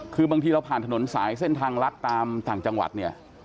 คือบางทีเราผ่านถนนสายเส้นทางลัดตามต่างจังหวัดเนี่ย